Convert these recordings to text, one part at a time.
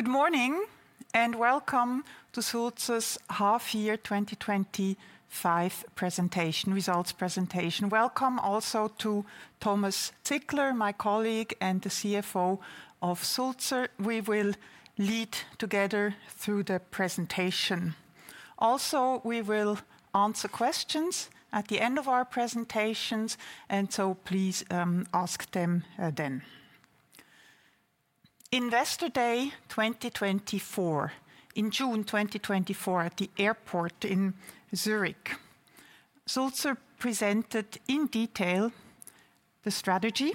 Good morning, and welcome to Sulzer's Half Year twenty twenty five Presentation Results Presentation. Welcome also to Thomas Ziegler, my colleague and the CFO of Sulzer. We will lead together through the presentation. Also, we will answer questions at the end of our presentations, and so please ask them then. Investor Day twenty twenty four, in June 2024, at the airport in Zurich, Sulzer presented in detail the strategy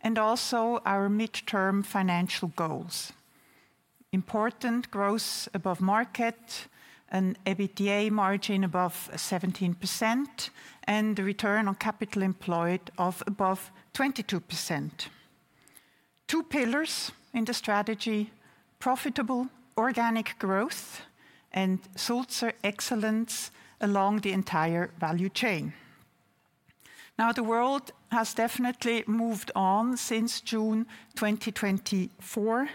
and also our midterm financial goals: important growth above market, an EBITDA margin above 17% and return on capital employed of above 22%. Two pillars in the strategy: profitable organic growth and Sulzer excellence along the entire value chain. Now the world has definitely moved on since June 2024.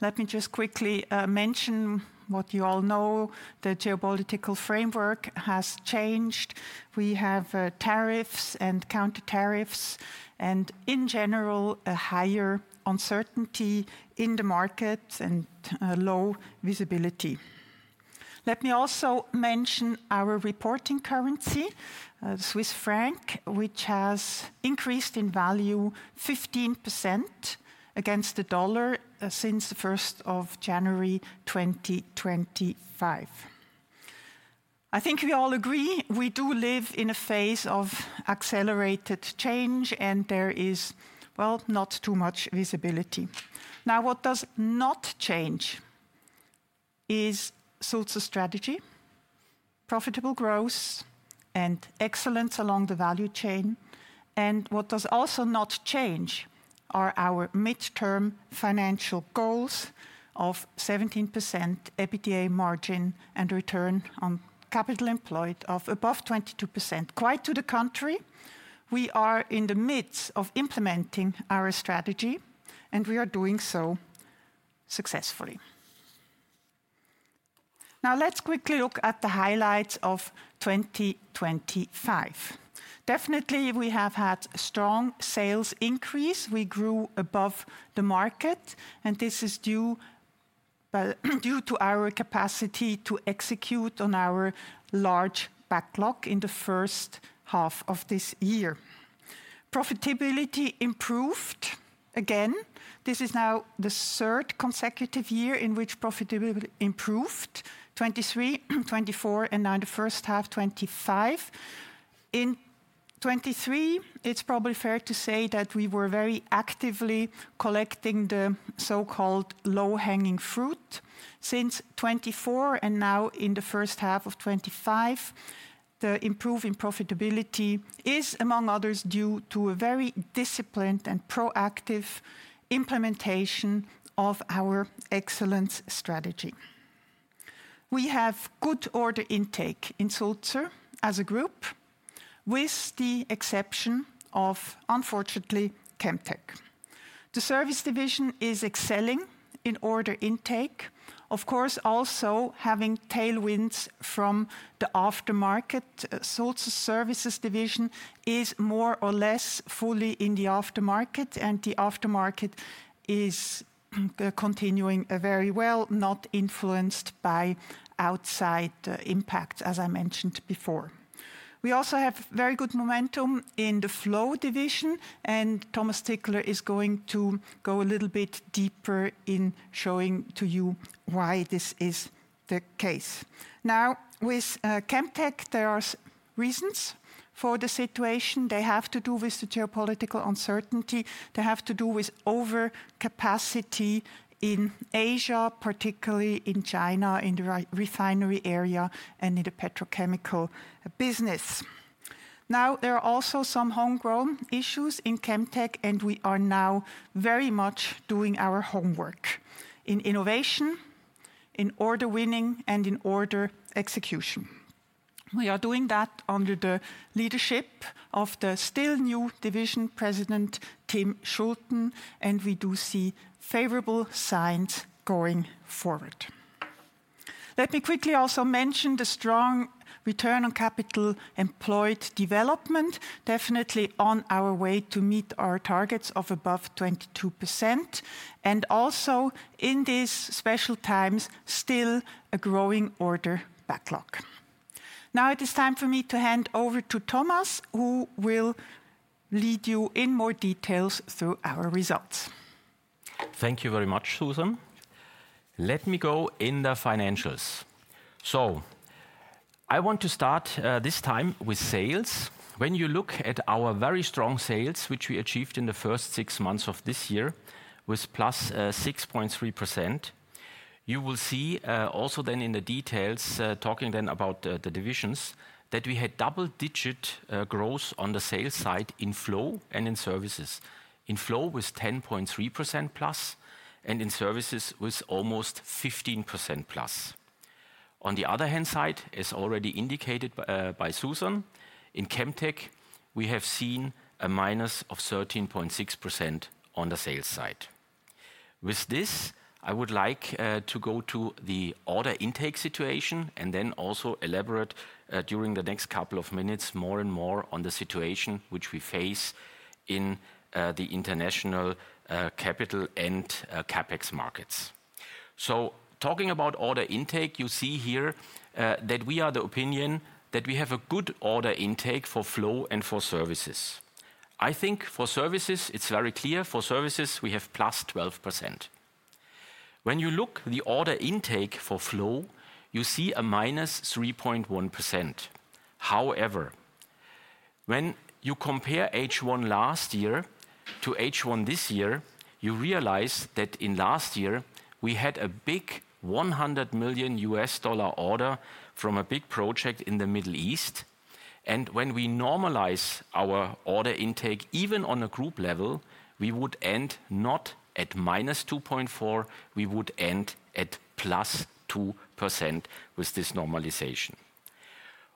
Let me just quickly mention what you all know. The geopolitical framework has changed. We have tariffs and counter tariffs and, in general, a higher uncertainty in the market and low visibility. Let me also mention our reporting currency, Swiss franc, which has increased in value 15% against the dollar since the January 1. I think we all agree, we do live in a phase of accelerated change, and there is, well, not too much visibility. Now what does not change is Sulzer's strategy, profitable growth and excellence along the value chain. And what does also not change are our midterm financial goals of 17% EBITDA margin and return on capital employed of above 22%. Quite to the contrary, we are in the midst of implementing our strategy and we are doing so successfully. Now let's quickly look at the highlights of 2025. Definitely, we have had strong sales increase. We grew above the market, and this is due to our capacity to execute on our large backlog in the first half of this year. Profitability improved again. This is now the third consecutive year in which profitability improved, 2023, 2024 and now in the first half, '25. In 2023, it's probably fair to say that we were very actively collecting the so called low hanging fruit. Since 2024 and now in the first half of twenty twenty five, the improving profitability is, among others, due to a very disciplined and proactive implementation of our excellence strategy. We have good order intake in Sulzer as a group with the exception of, unfortunately, Chemtech. The Service division is excelling in order intake, of course, having tailwinds from the aftermarket, Sulzer Services division is more or less fully in the aftermarket, and the aftermarket is continuing very well, not influenced by outside impacts, as I mentioned before. We also have very good momentum in the Flow division, and Thomas Tickler is going to go a little bit deeper in showing to you why this is the case. Now with Chemtech, there are reasons for the situation. They have to do with the geopolitical uncertainty. They have to do with overcapacity in Asia, particularly in China, in the refinery area and in the petrochemical business. Now there are also some homegrown issues in Chemtech, and we are now very much doing our homework in innovation, in order winning and in order execution. We are doing that under the leadership of the still new division president, Tim Schulten, and we do see favorable signs going forward. Let me quickly also mention the strong return on capital employed development, definitely on our way to meet our targets of above 22%. And also in these special times, still a growing order backlog. Now it is time for me to hand over to Thomas, who will lead you in more details through our results. Thank you very much, Susan. Let me go in the financials. So I want to start this time with sales. When you look at our very strong sales, which we achieved in the first six months of this year was plus 6.3%. You will see also then in the details, talking then about the divisions, that we had double digit growth on the sales side in Flow and in Services. In Flow was 10.3 plus and in Services was almost 15% plus. On the other hand side, as already indicated by Susan, in Chemtech, we have seen a minus of 13.6% on the sales side. With this, I would like to go to the order intake situation and then also elaborate during the next couple of minutes more and more on the situation which we face in the international capital and CapEx markets. So talking about order intake, you see here that we are the opinion that we have a good order intake for Flow and for Services. I think for Services, it's very clear, for Services we have plus 12%. When you look at the order intake for Flow, you see a minus 3.1%. However, when you compare H1 last year to H1 this year, you realize that in last year, we had a big US100 million dollars order from a big project in The Middle East. And when we normalize our order intake even on a group level, we would end not at minus 2.4%, we would end at plus 2% with this normalization.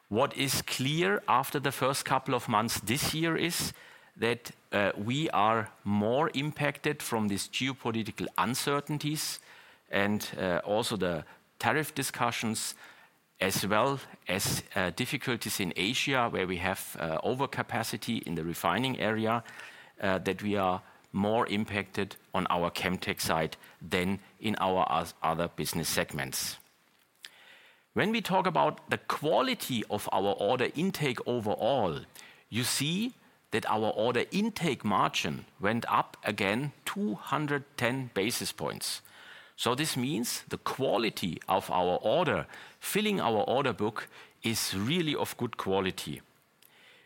What is clear after the first couple of months this year is that we are more impacted from these geopolitical uncertainties and also the tariff discussions as well as difficulties in Asia, where we have overcapacity in the refining area, that we are more impacted on our Chemtech side than in our other business segments. When we talk about the quality of our order intake overall, you see that our order intake margin went up again two ten basis points. So this means the quality of our order filling our order book is really of good quality.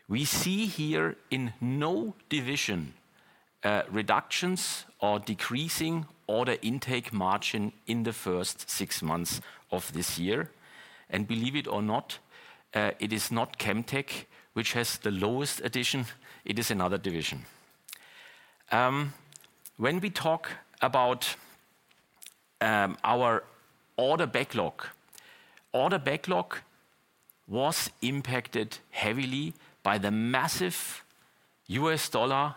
We see here in no division reductions or decreasing order intake margin in the first six months of this year. And believe it or not, it is not Chemtech which has the lowest addition, it is another division. When we talk about our order backlog, order backlog was impacted heavily by the massive U. S. Dollar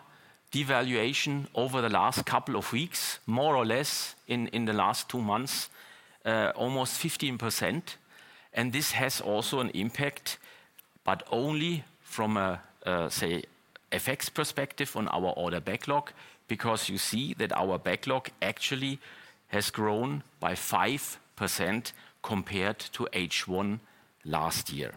devaluation over the last couple of weeks, more or less in the last two months, almost 15%. And this has also an impact but only from a, say, FX perspective on our order backlog because you see that our backlog actually has grown by 5% compared to H1 last year.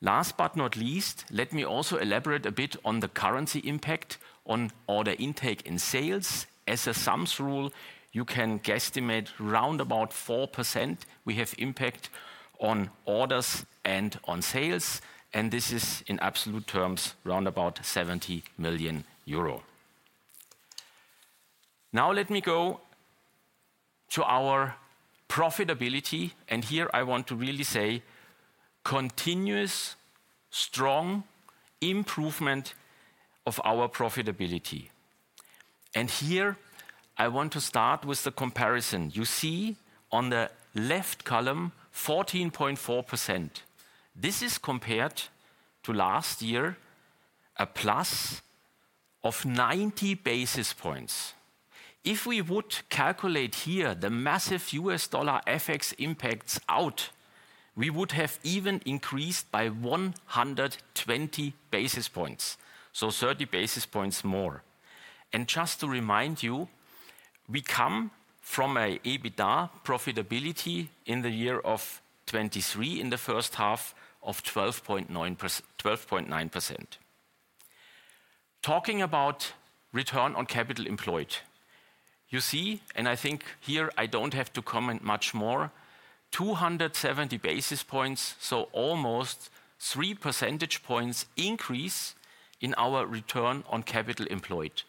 Last but not least, let me also elaborate a bit on the currency impact on order intake and sales. As a sums rule, you can guesstimate roundabout 4% we have impact on orders and on sales, and this is in absolute terms roundabout €70,000,000 Now let me go to our profitability. And here I want to really say continuous strong improvement of our profitability. And here I want to start with the comparison. You see on the left column 14.4%. This is compared to last year, a plus of 90 basis points. If we would calculate here the massive U. S. Dollar FX impacts out, we would have even increased by 120 basis points, so 30 basis points more. And just to remind you, we come from an EBITDA profitability in the year of '23 in the first half of 12.9%. Talking about return on capital employed. You see, and I think here I don't have to comment much more, two seventy basis points, so almost three percentage points increase in our return on capital employed.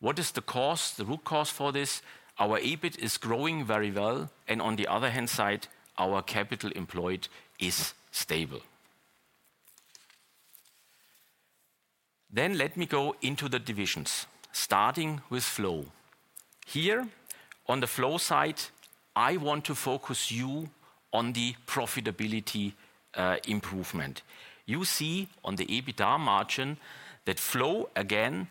What is the cause, the root cause for this? Our EBIT is growing very well and on the other hand side, our capital employed is stable. Then let me go into the divisions, starting with flow. Here, on the Flow side, I want to focus you on the profitability improvement. You see on the EBITDA margin that Flow again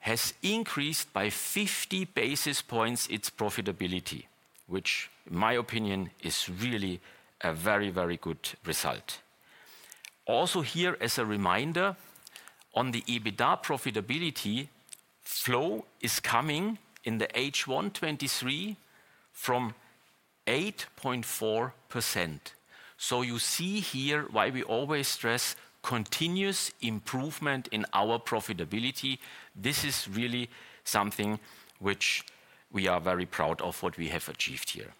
has increased by 50 basis points its profitability, which in my opinion is really a very, very good result. Also here as a reminder, on the EBITDA profitability, flow is coming in the H1 twenty twenty three from 8.4%. So you see here why we always stress continuous improvement in our profitability. This is really something which we are very proud of what we have achieved here.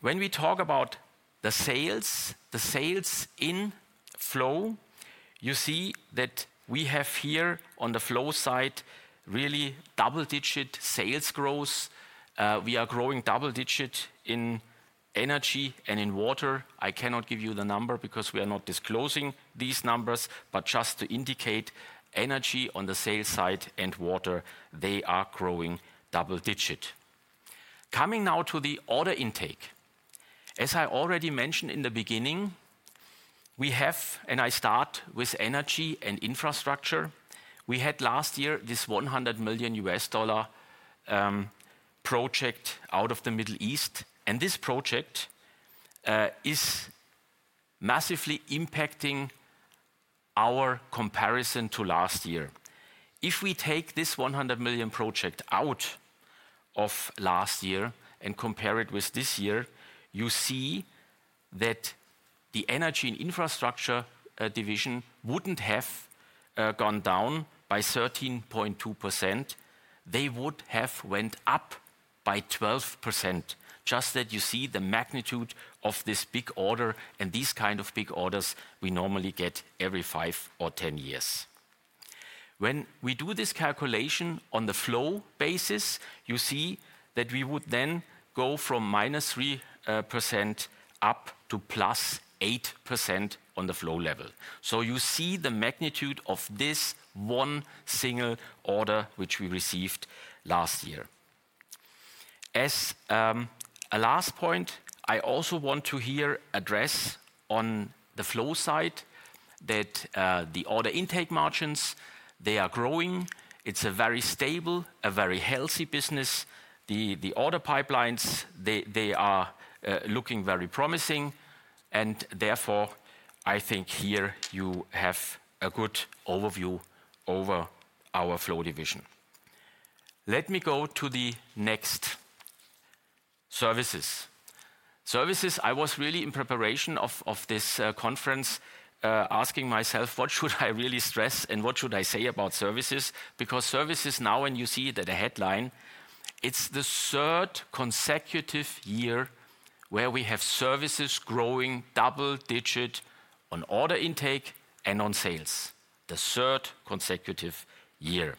When we talk about the sales, the sales in flow, you see that we have here on the flow side really double digit sales growth. We are growing double digit in energy and in water. I cannot give you the number because we are not disclosing these numbers, but just to indicate energy on the sales side and water, they are growing double digit. Coming now to the order intake. As I already mentioned in the beginning, we have and I start with energy and infrastructure. We had last year this US100 million dollars project out of The Middle East, and this project is massively impacting our comparison to last year. If we take this €100,000,000 project out of last year and compare it with this year, you see that the Energy and Infrastructure division wouldn't have gone down by 13.2%. They would have went up by 12%. Just that you see the magnitude of this big order and these kind of big orders we normally get every five or ten years. When we do this calculation on the flow basis, you see that we would then go from minus 3% up to plus 8% on the flow level. So you see the magnitude of this one single order which we received last year. As a last point, I also want to here address on the flow side that the order intake margins, they are growing. It's a very stable, a very healthy business. The order pipelines, they are looking very promising. And therefore, I think here you have a good overview over our Flow division. Let me go to the next, services. Services, I was really in preparation of this conference asking myself what should I really stress and what should I say about services because services now, when you see it as a headline, it's the third consecutive year where we have services growing double digit on order intake and on sales, the third consecutive year.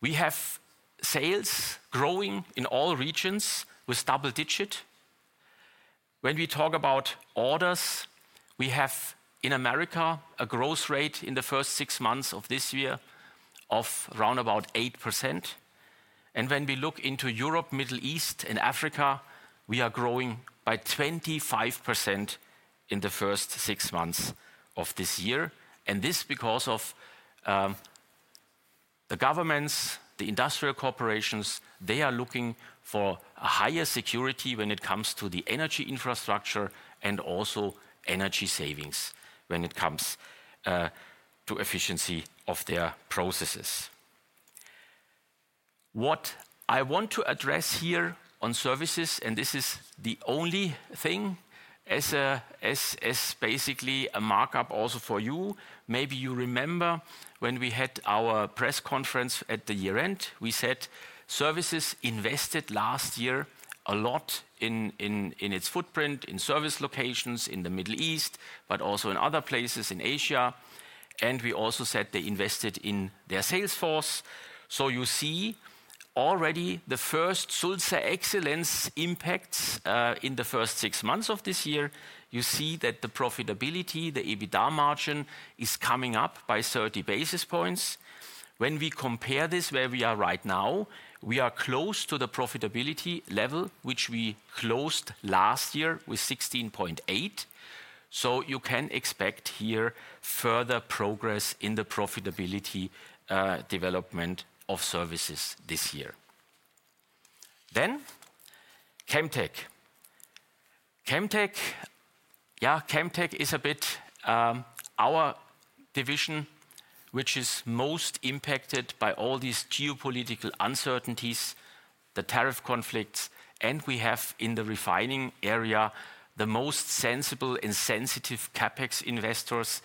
We have sales growing in all regions with double digit. When we talk about orders, we have in America a growth rate in the first six months of this year of roundabout 8%. And when we look into Europe, Middle East and Africa, we are growing by 25% in the first six months of this year. And this because of the governments, the industrial corporations, they are looking for a higher security when it comes to the energy infrastructure and also energy savings when it comes to efficiency of their processes. What I want to address here on services, and this is the only thing as basically a markup also for you. Maybe you remember when we had our press conference at the year end, we said Services invested last year a lot in its footprint, in service locations in The Middle East, but also in other places in Asia. And we also said they invested in their sales force. So you see already the first Sulzer Excellence impacts in the first six months of this year. You see that the profitability, the EBITDA margin is coming up by 30 basis points. When we compare this where we are right now, we are close to the profitability level, which we closed last year with 16.8%. So you can expect here further progress in the profitability development of services this year. Then Chemtech. Chemtech, yes, Chemtech is a bit our division, which is most impacted by all these geopolitical uncertainties, the tariff conflicts, and we have in the refining area the most sensible and sensitive CapEx investors.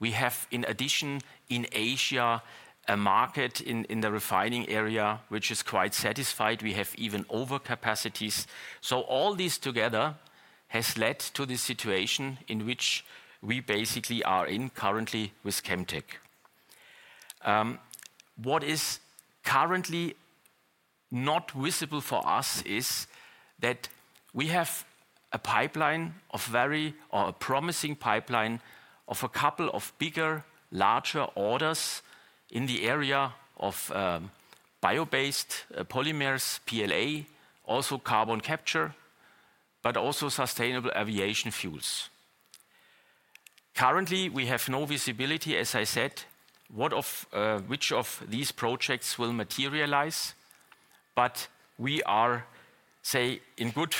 We have, in addition, in Asia, a market in the refining area which is quite satisfied. We have even overcapacities. So all this together has led to the situation in which we basically are in currently with Chemtech. What is currently not visible for us is that we have a pipeline of very or a promising pipeline of a couple of bigger, larger orders in the area of bio based polymers, PLA, also carbon capture, but also sustainable aviation fuels. Currently, we have no visibility, as I said, which of these projects will materialize, but we are, say, in good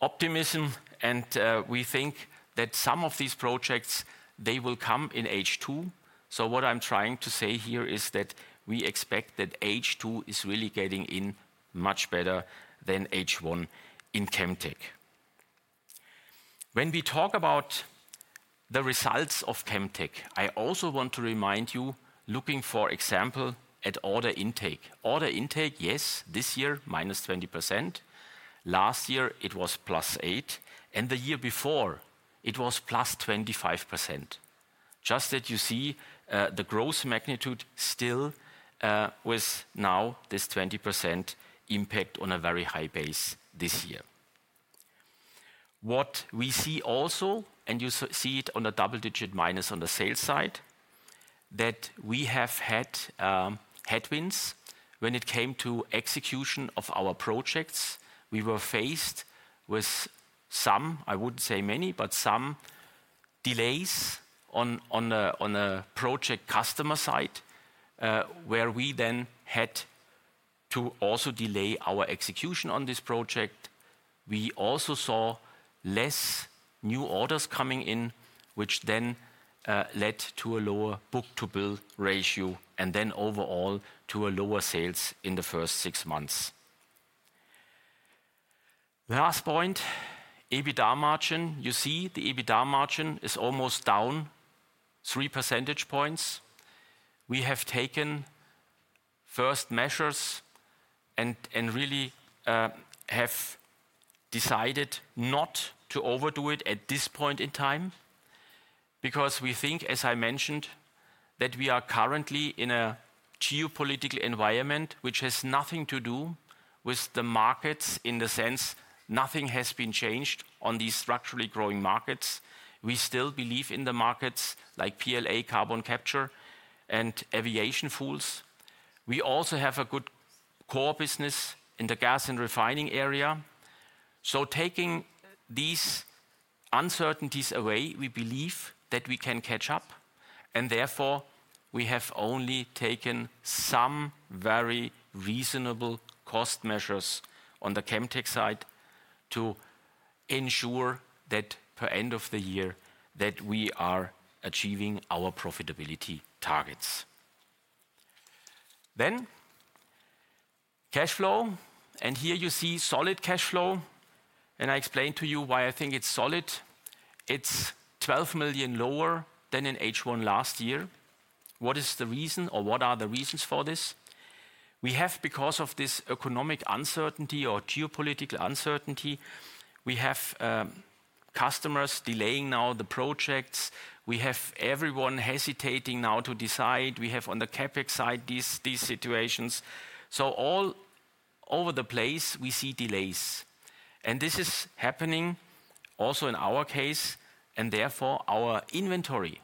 optimism and we think that some of these projects, they will come in H2. So what I'm trying to say here is that we expect that H2 is really getting in much better than H1 in Chemtech. When we talk about the results of Chemtech, I also want to remind you, looking for example at order intake. Order intake, yes, this year minus 20%. Last year, it was plus eight percent. And the year before, it was plus 25%. Just that you see the growth magnitude still with now this 20% impact on a very high base this year. What we see also, and you see it on the double digit minus on the sales side, that we have had headwinds when it came to execution of our projects. We were faced with some, I wouldn't say many, but some delays on a project customer side where we then had to also delay our execution on this project. We also saw less new orders coming in, which then led to a lower book to bill ratio and then overall to a lower sales in the first six months. Last point, EBITDA margin. You see the EBITDA margin is almost down three percentage points. We have taken first measures and really have decided not to overdo it at this point in time because we think, as I mentioned, that we are currently in a geopolitical environment which has nothing to do with the markets in the sense nothing has been changed on these structurally growing markets. We still believe in the markets like PLA carbon capture and aviation fuels. We also have a good core business in the gas and refining area. So taking these uncertainties away, we believe that we can catch up and therefore we have only taken some very reasonable cost measures on the Chemtech side to ensure that, per end of the year, that we are achieving our profitability targets. Then cash flow. And here you see solid cash flow, and I explained to you why I think it's solid. It's 12 million lower than in H1 last year. What is the reason or what are the reasons for this? We have because of this economic uncertainty or geopolitical uncertainty, we have customers delaying now the projects. We have everyone hesitating now to decide. We have on the CapEx side these situations. So all over the place, we see delays. And this is happening also in our case, and therefore, inventory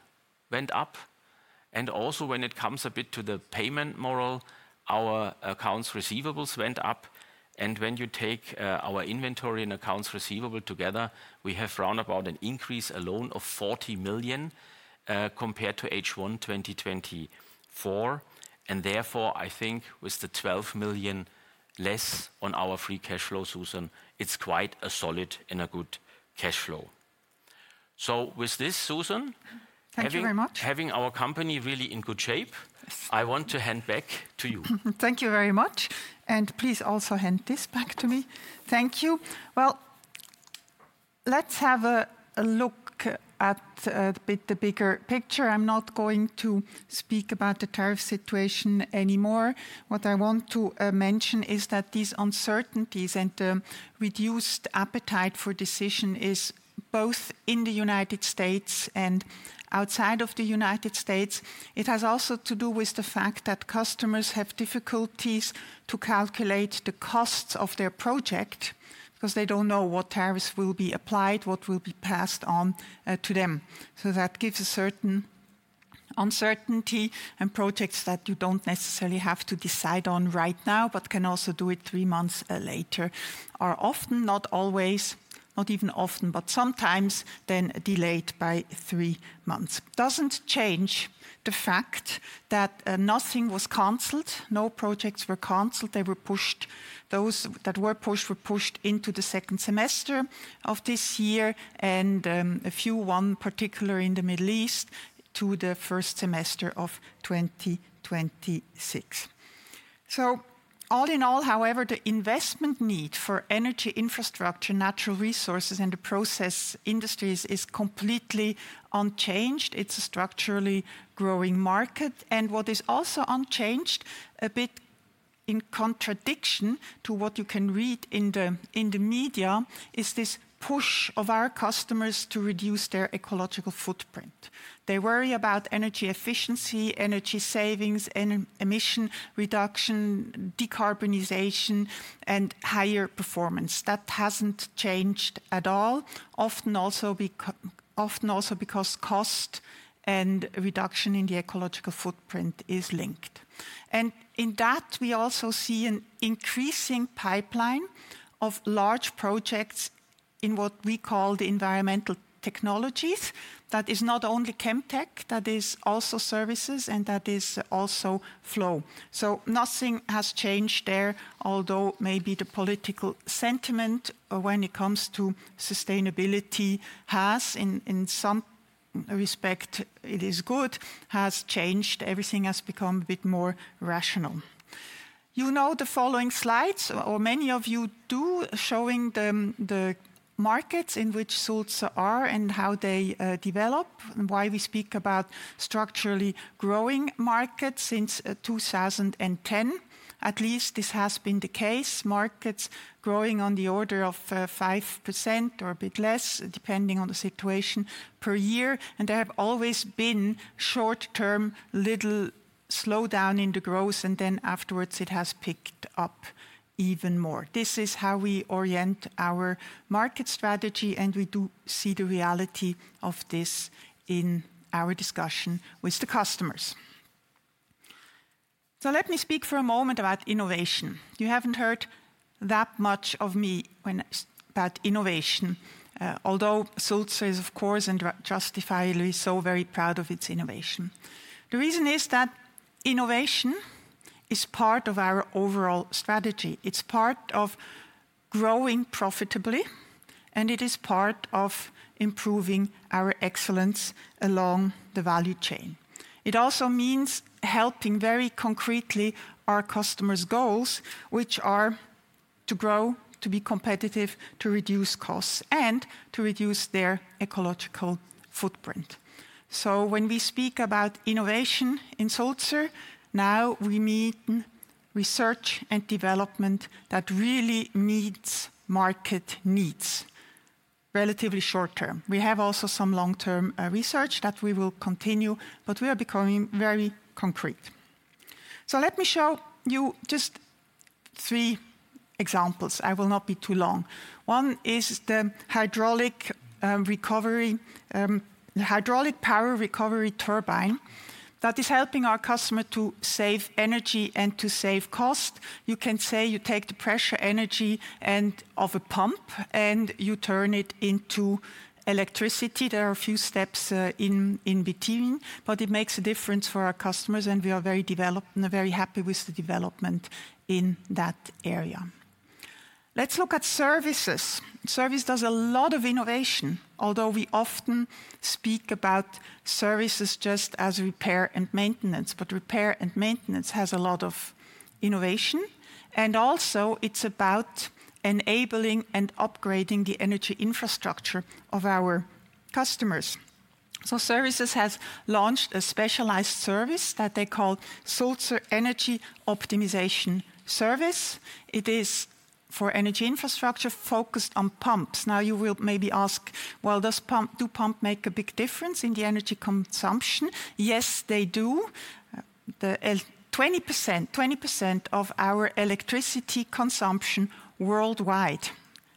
went up. And also, when it comes a bit to the payment model, our accounts receivables went up. And when you take our inventory and accounts receivable together, we have roundabout an increase alone of 40 million compared to H1 twenty twenty four. And therefore, I think with the 12 million less on our free cash flow, Susan, it's quite a solid and a good cash flow. So with this, Susan, having our company really in good shape, I want to hand back to you. Thank you very much. And please also hand this back to me. Thank you. Well, let's have a look at a bit the bigger picture. I'm not going to speak about the tariff situation anymore. What I want to mention is that these uncertainties and reduced appetite for decision is both in The United States and outside of The United States. It has also to do with the fact that customers have difficulties to calculate the costs of their project because they don't know what tariffs will be applied, what will be passed on to them. So that gives a certain uncertainty and projects that you don't necessarily have to decide on right now but can also do it three months later are often, not always, not even often, but sometimes then delayed by three months. It doesn't change the fact that nothing was canceled, no projects were canceled. They were pushed. Those that were pushed were pushed into the second semester of this year and a few, one particular in The Middle East, to the first semester of twenty twenty six. So all in all, however, the investment need for energy infrastructure, natural resources and the process industries is completely unchanged. It's a structurally growing market. And what is also unchanged, a bit in contradiction to what you can read in the media, is this push of our customers to reduce their ecological footprint. They worry about energy efficiency, energy savings, emission reduction, decarbonization and higher performance. That hasn't changed at all, often also because cost and reduction in the ecological footprint is linked. And in that, we also see an increasing pipeline of large projects in what we call the environmental technologies. That is not only chemtech, that is also services and that is also flow. So nothing has changed there, although maybe the political sentiment when it comes to sustainability has, in some respect, it is good, has changed. Everything has become a bit more rational. You know the following slides, or many of you do, showing the markets in which Sulzer are and how they develop and why we speak about structurally growing markets since 2010. At least this has been the case, markets growing on the order of 5% or a bit less, depending on the situation per year. And there have always been short term, little slowdown in the growth, and then afterwards, it has picked up even more. This is how we orient our market strategy, and we do see the reality of this in our discussion with the customers. So let me speak for a moment about innovation. You haven't heard that much of me when it's about innovation, although Sulzer is, of course, and Justifiably, so very proud of its innovation. The reason is that innovation is part of our overall strategy. It's part of growing profitably, and it is part of improving our excellence along the value chain. It also means helping very concretely our customers' goals, which are to grow, to be competitive, to reduce costs and to reduce their ecological footprint. So when we speak about innovation in Sulzer, now we mean research and development that really meets market needs relatively short term. We have also some long term research that we will continue, but we are becoming very concrete. So let me show you just three examples. I will not be too long. One is the hydraulic recovery the hydraulic power recovery turbine that is helping our customer to save energy and to save cost. You can say you take the pressure energy and of a pump and you turn it into electricity. There are a few steps in between, but it makes a difference for our customers, and we are very developed and very happy with the development in that area. Let's look at Services. Service does a lot of innovation, although we often speak about services just as repair and maintenance. But repair and maintenance has a lot of innovation. And also, it's about enabling and upgrading the energy infrastructure of our customers. So Services has launched a specialized service that they call Sulzer Energy Optimization Service. It is for energy infrastructure focused on pumps. Now you will maybe ask, well, does pump do pump make a big difference in the energy consumption? Yes, they do. The 2020% of our electricity consumption worldwide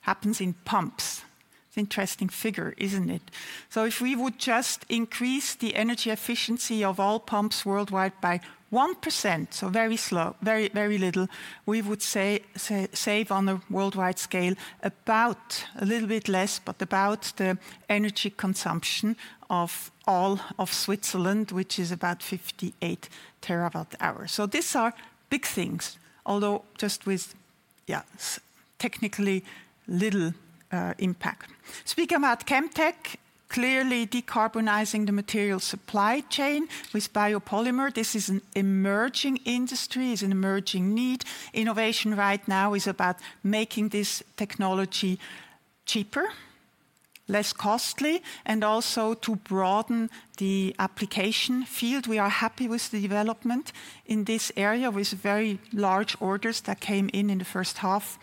happens in pumps. It's an interesting figure, isn't it? So if we would just increase the energy efficiency of all pumps worldwide by 1%, so very slow, very little, we would save on a worldwide scale about a little bit less, but about the energy consumption of all of Switzerland, which is about 58 terawatt hours. So these are big things, although just with yes, technically, little impact. Speaking about Chemtech, clearly decarbonizing the material supply chain with biopolymer. This is an emerging industry. It's an emerging need. Innovation right now is about making this technology cheaper, less costly and also to broaden the application field. We are happy with the development in this area with very large orders that came in, in the first half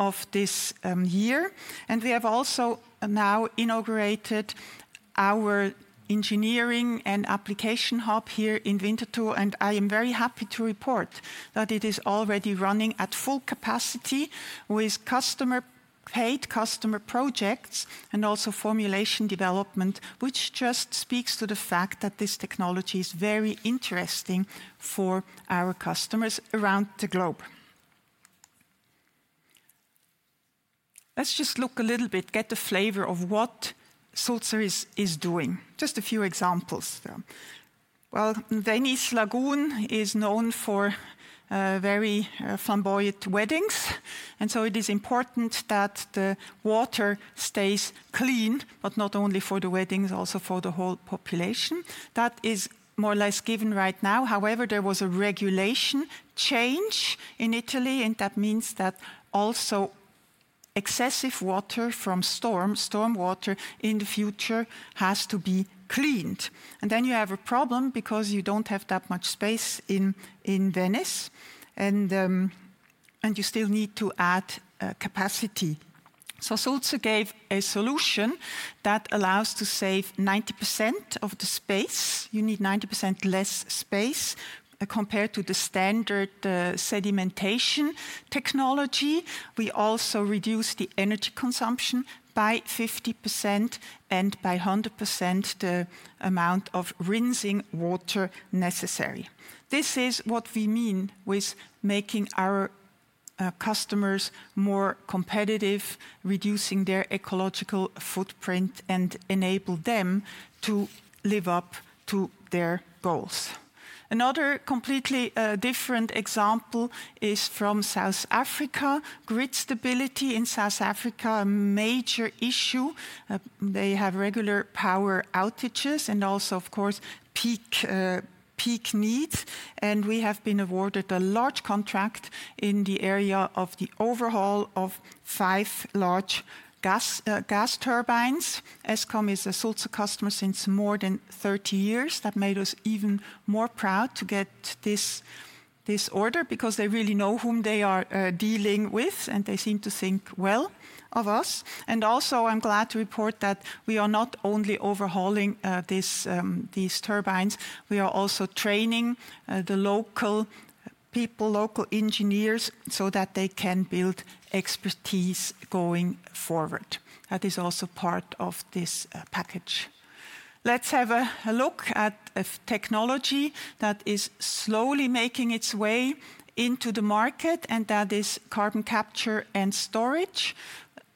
of this year. And we have also now inaugurated our engineering and application hub here in Winterthur, and I am very happy to report that it is already running at full capacity with customer paid customer projects and also formulation development, which just speaks to the fact that this technology is very interesting for our customers around the globe. Let's just look a little bit, get a flavor of what Sulzer is doing. Just a few examples. Well, Denis Lagoon is known for very flamboyant weddings, and so it is important that the water stays clean, but not only for the weddings, also for the whole population. That is more or less given right now. However, there was a regulation change in Italy, and that means that also excessive water from storms storm water in the future has to be cleaned. And then you have a problem because you don't have that much space in Venice, and you still need to add capacity. So Sulzer gave a solution that allows to save 90% of the space. You need 90% less space compared to the standard sedimentation technology. We also reduced the energy consumption by 50% and by 100% the amount of rinsing water necessary. This is what we mean with making our customers more competitive, reducing their ecological footprint and enable them to live up to their goals. Another completely different example is from South Africa. Grid stability in South Africa, a major issue. They have regular power outages and also, of course, peak needs. And we have been awarded a large contract in the area of the overhaul of five large gas turbines. Eskom is a Sulzer customer since more than thirty years. That made us even more proud to get this order because they really know whom they are dealing with, and they seem to think well of us. And also, I'm glad to report that we are not only overhauling these turbines, we are also training the local people, local engineers so that they can build expertise going forward. That is also part of this package. Let's have a look at a technology that is slowly making its way into the market, and that is carbon capture and storage.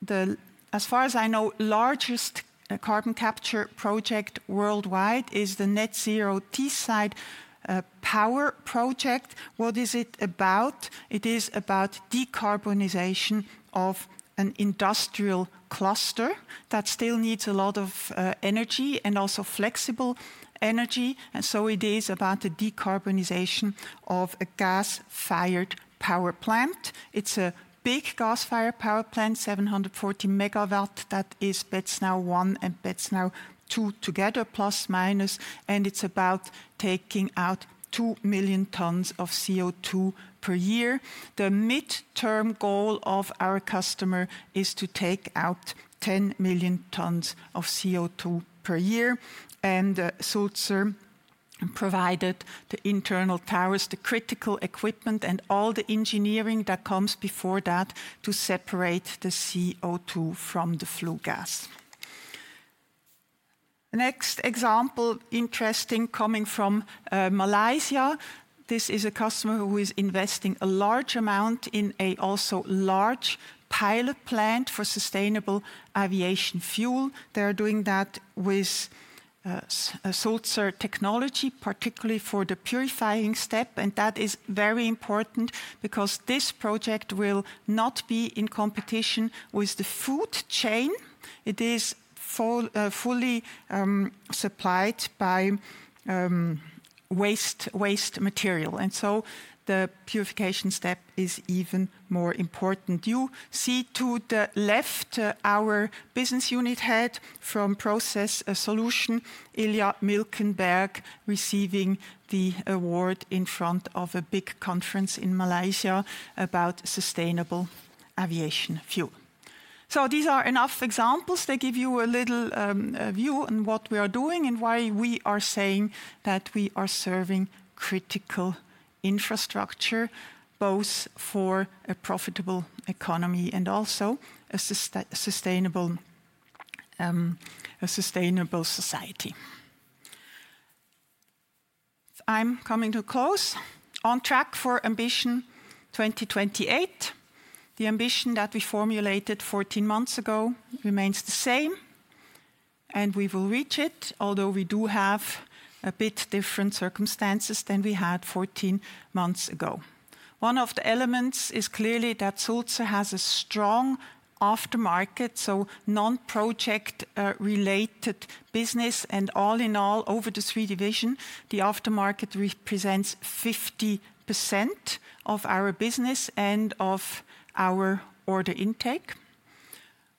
The, as far as I know, largest carbon capture project worldwide is the NetZero Teaside power project. What is it about? It is about decarbonization of an industrial cluster that still needs a lot of energy and also flexible energy. And so it is about the decarbonization of a gas fired power plant. It's a big gas fired power plant, seven forty megawatt. That is Betsnow one and Betsnow two together, plusminus, and it's about taking out 2,000,000 tonnes of CO2 per year. The midterm goal of our customer is to take out 10,000,000 tonnes of CO2 per year. And Sulzer provided the internal towers, the critical equipment and all the engineering that comes before that to separate the CO2 from the flue gas. Next example, interesting, coming from Malaysia. This is a customer who is investing a large amount in a also large pilot plant for sustainable aviation fuel. They are doing that with Sulzer technology, particularly for the purifying step, and that is very important because this project will not be in competition with the food chain. It is fully supplied by waste material. And so the purification step is even more important. You see to the left our business unit head from Process Solutions, Ilya Milkenberg, receiving the award in front of a big conference in Malaysia about sustainable aviation fuel. So these are enough examples to give you a little view on what we are doing and why we are saying that we are serving critical infrastructure, both for a profitable economy and also a sustainable society. I'm coming to a close on track for Ambition 2028. The ambition that we formulated fourteen months ago remains the same, and we will reach it, although we do have a bit different circumstances than we had fourteen months ago. One of the elements is clearly that Sulzer has a strong aftermarket, so nonproject related business. And all in all, over the three divisions, the aftermarket represents 50% of our business and of our order intake.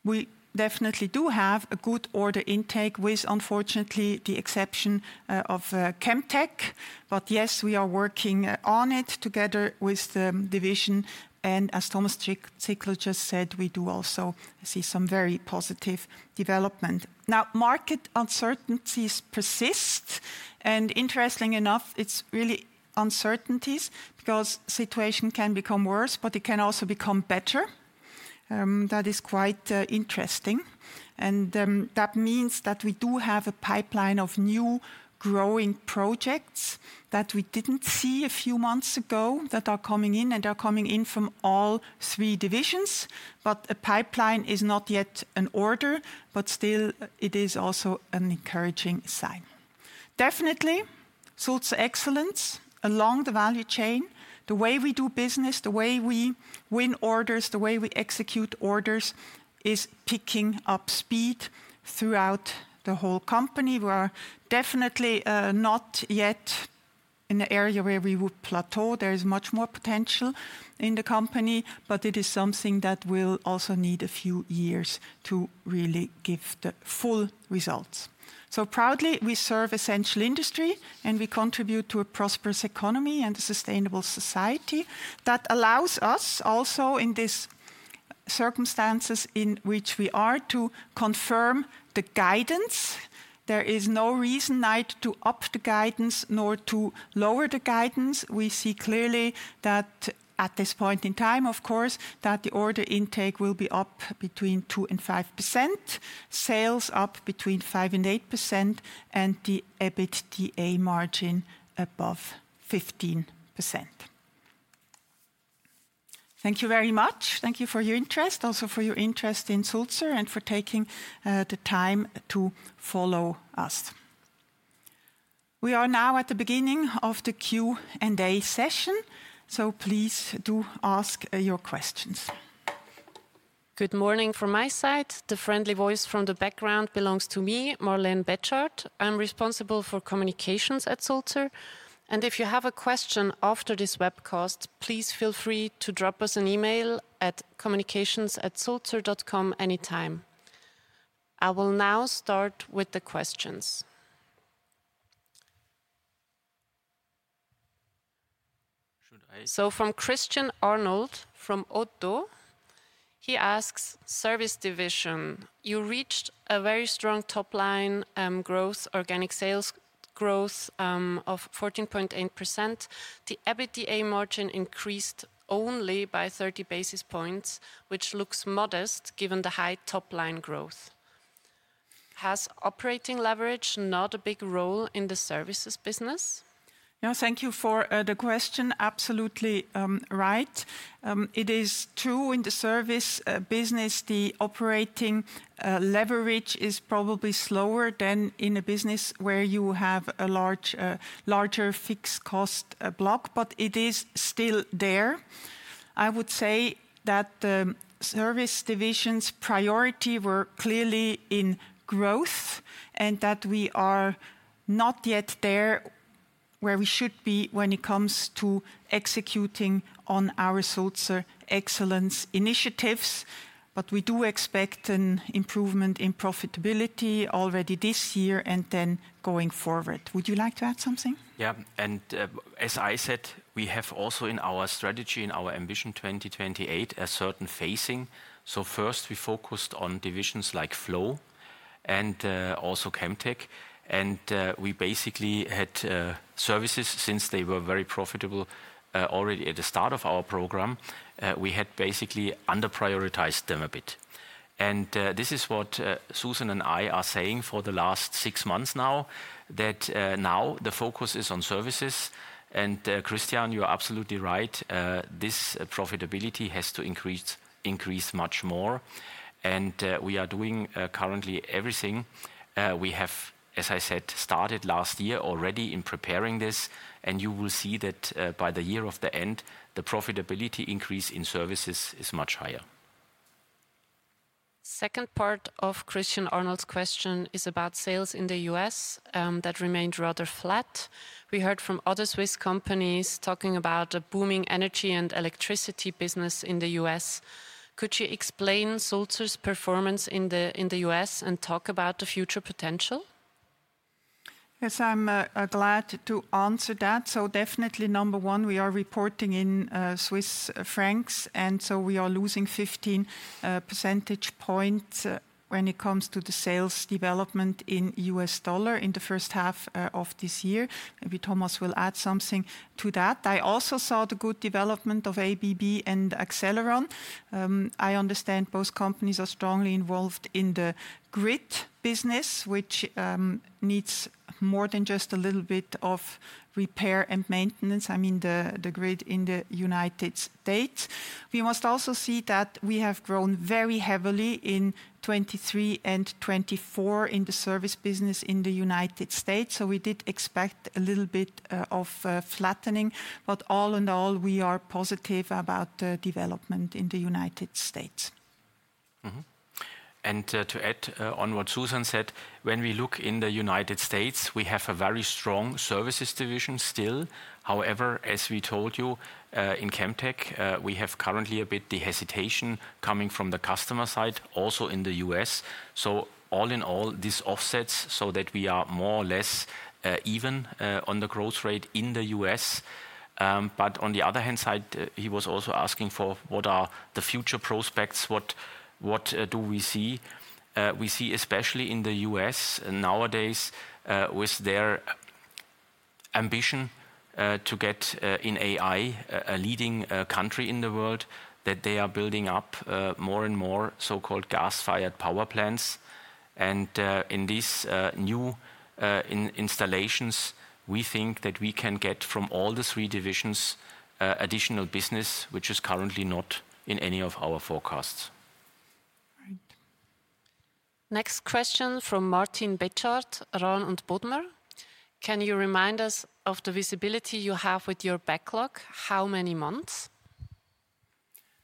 We definitely do have a good order intake with, unfortunately, the exception of Chemtech. But yes, we are working on it together with the division. And as Thomas Sickl just said, we do also see some very positive development. Now market uncertainties persist. And interestingly enough, it's really uncertainties because situation can become worse, but it can also become better. That is quite interesting. And that means that we do have a pipeline of new growing projects that we didn't see a few months ago that are coming in and are coming in from all three divisions. But the pipeline is not yet in order, but still, it is also an encouraging sign. Definitely, Sulzer Excellence along the value chain, the way we do business, the way we win orders, the way we execute orders is picking up speed throughout the whole company. We are definitely not yet in the area where we would plateau. There is much more potential in the company, but it is something that will also need a few years to really give the full results. So proudly, we serve essential industry, and we contribute to a prosperous economy and a sustainable society that allows us also in these circumstances in which we are to confirm the guidance. There is no reason neither to up the guidance nor to lower the guidance. We see clearly that at this point in time, of course, that the order intake will be up between 25%, sales up between 58% and the EBITDA margin above 15%. Thank you very much. Thank you for your interest, also for your interest in Sulzer and for taking the time to follow us. We are now at the beginning of the Q and A session, So please do ask your questions. Good morning from my side. The friendly voice from the background belongs to me, Marlene Bedchardt. I'm responsible for Communications at Sulzer. And if you have a question after this webcast, please feel free to drop us an e mail at communicationssulzer dot com any time. I will now start with the questions. So from Christian Arnold from OTTO, he asks, Service division. You reached a very strong top line growth, organic sales growth of 14.8%. The EBITDA margin increased only by 30 basis points, which looks modest given the high top line growth. Has operating leverage not a big role in the services business? No. Thank you for the question. Absolutely right. It is true in the service business, the operating leverage is probably slower than in a business where you have a larger fixed cost block, but it is still there. I would say that Service Division's priority were clearly in growth and that we are not yet there where we should be when it comes to executing on our Sulzer Excellence initiatives, but we do expect an improvement in profitability already this year and then going forward. Would you like to add something? Yes. And as I said, we have also in our strategy and our Ambition 2028 a certain phasing. So first, we focused on divisions like Flow and also Chemtech. And we basically had services since they were very profitable already at the start of our program. We had basically underprioritized them a bit. And this is what Susan and I are saying for the last six months now that now the focus is on services. And Christian, you're absolutely right. This profitability has to increase much more. And we are doing currently everything. We have, as I said, started last year already in preparing this, and you will see that by the year of the end, the profitability increase in services is much higher. Second part of Christian Arnold's question is about sales in The U. S. That remained rather flat. We heard from other Swiss companies talking about a booming energy and electricity business in The U. S. Could you explain Sulzer's performance in The U. S. And talk about the future potential? Yes, I'm glad to answer that. So definitely, number one, we are reporting in Swiss francs, and so we are losing 15 percentage points when it comes to the sales development in U. S. Dollar in the first half of this year. Maybe Thomas will add something to that. I also saw the good development of ABB and Acceleron. I understand both companies are strongly involved in the grid business, which needs more than just a little bit of repair and maintenance, I mean the grid in The United States. We must also see that we have grown very heavily in 2023 and 2024 in the service business in The United States. So we did expect a little bit of flattening. But all in all, we are positive about development in The United States. And to add on what Susan said, when we look in The United States, we have a very strong services division still. However, as we told you in Chemtech, we have currently a bit the hesitation coming from the customer side also in The U. S. So all in all, this offsets so that we are more or less even on the growth rate in The U. S. But on the other hand side, he was also asking for what are the future prospects, what do we see. We see especially in The U. S. Nowadays with their ambition to get in AI a leading country in the world that they are building up more and more so called gas fired power plants. And in these new installations, we think that we can get from all the three divisions additional business, which is currently not in any of our forecasts. Next question from Martin Bechard, Rahn and Budmer. Can you remind us of the visibility you have with your backlog? How many months?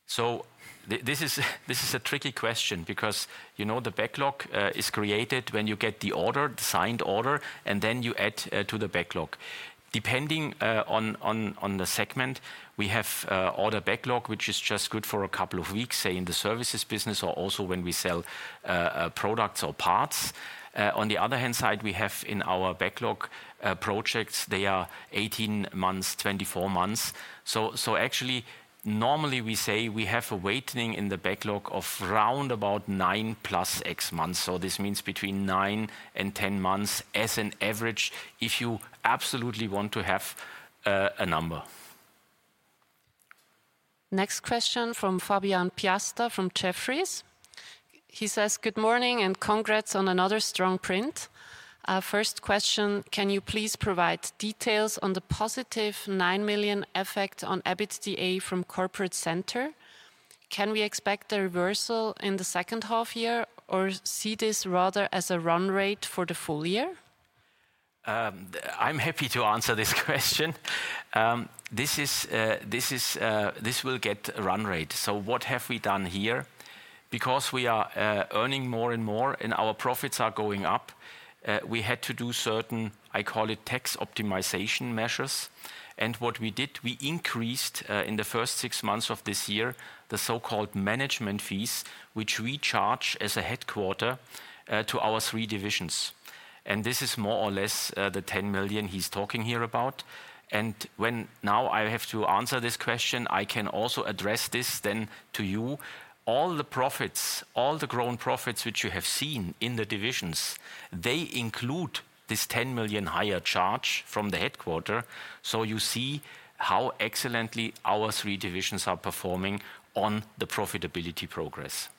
So this is a tricky question because the backlog is created when you get the order, the signed order, and then you add to the backlog. Depending on the segment, we have order backlog, which is just good for a couple of weeks, say, in the services business or also when we sell products or parts. On the other hand side, we have in our backlog projects, they are eighteen months, twenty four months. So actually, normally we say we have a waiting in the backlog of roundabout nine plus X months, so this means between nine ten months as an average if you absolutely want to have a number. Next question from Fabian Piesta from Jefferies. He says, Good morning and congrats on another strong print. First question, can you please provide details on the positive 9,000,000 effect on EBITDA from Corporate Center? Can we expect a reversal in the second half year or see this rather as a run rate for the full year? I'm happy to answer this question. This is this will get a run rate. So what have we done here? Because we are earning more and more and our profits are going up, we had to do certain, I call it, tax optimization measures. And what we did, we increased in the first six months of this year the so called management fees, which we charge as a headquarter to our three divisions. And this is more or less the €10,000,000 he's talking here about. And when now I have to answer this question, I can also address this then to you. All the profits, all the grown profits which you have seen in the divisions, they include this €10,000,000 higher charge from the headquarter, so you see how excellently our three divisions are performing on the profitability progress.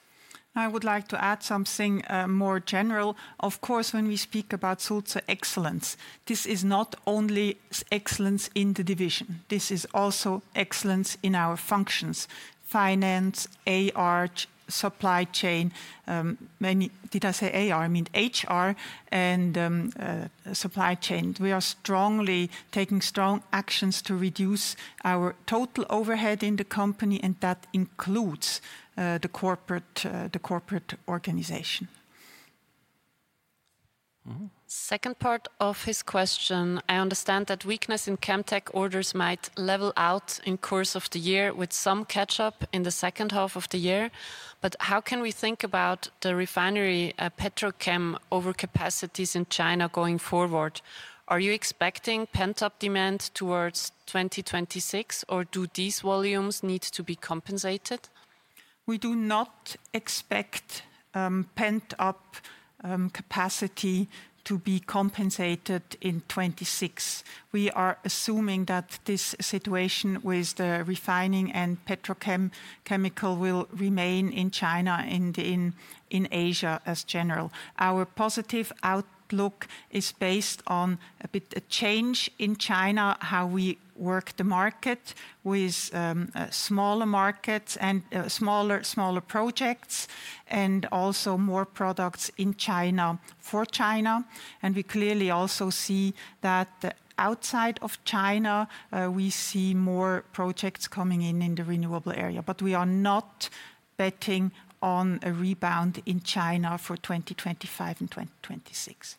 I would like to add something more general. Of course, when we speak about Sulzer excellence, this is not only excellence in the division. This is also excellence in our functions: finance, AR, chain. Many did I say AR? I mean HR and supply chain. We are strongly taking strong actions to reduce our total overhead in the company, and that includes the corporate organization. Second part of his question, I understand that weakness in Chemtech orders might level out in course of the year with some catch up in the second half of the year. But how can we think about the refinery petrochem overcapacities in China going forward? Are you expecting pent up demand towards 2026? Or do these volumes need to be compensated? We do not expect pent up capacity to be compensated in 2026. We are assuming that this situation with the refining and petrochem chemical will remain in China and in Asia as general. Our positive outlook is based on a bit a change in China, how we work the market with smaller markets and smaller projects and also more products in China for outside of China, we see more projects coming in, in the renewable area. But we are not betting on a rebound in China for 2025 and 2026.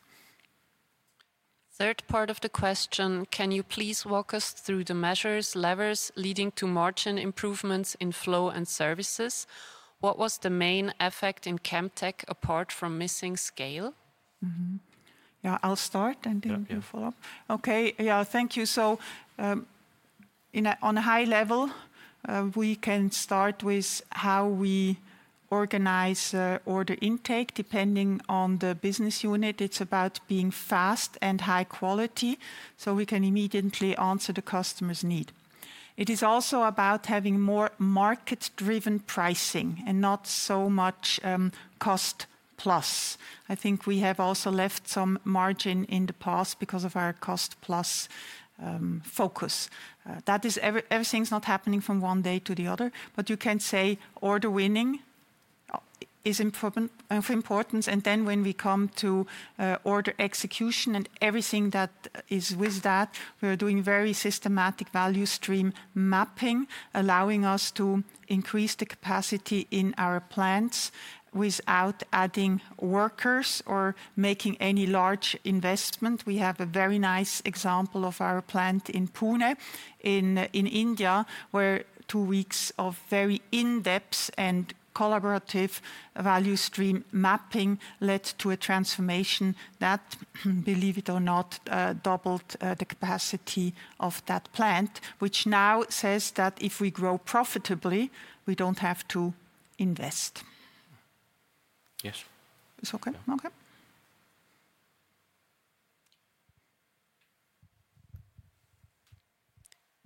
Third part of the question, can you please walk us through the measures, levers leading to margin improvements in Flow and Services? What was the main effect in Chemtech apart from missing scale? Yes. I'll start and then Okay. You Yes, thank you. So on a high level, we can start with how we organize order intake depending on the business unit. It's about being fast and high quality so we can immediately answer the customers' need. It is also about having more market driven pricing and not so much cost plus. I think we have also left some margin in the past because of our cost plus focus. That is everything is not happening from one day to the other, but you can say order winning is of importance. And then when we come to order execution and everything that is with that, we are doing very systematic value stream mapping, allowing us to increase the capacity in our plants without adding workers or making any large investment. We have a very nice example of our plant in Pune in India, where two weeks of very in-depth and collaborative value stream mapping led to a transformation that, believe it or not, doubled the capacity of that plant, which now says that if we grow profitably, we don't have to invest.